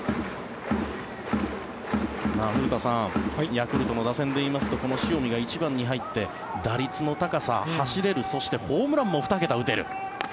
古田さんヤクルトの打線でいいますとこの塩見が１番に入って打率の高さ走れるそしてホームランも２桁打てる。